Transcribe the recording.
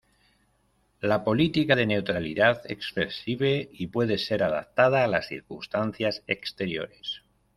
La política de neutralidad es flexible y puede ser adaptada a las circunstancias exteriores.